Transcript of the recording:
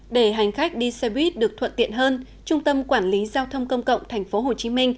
để hành khách đi xe buýt được thuận tiện hơn trung tâm quản lý giao thông công cộng tp hcm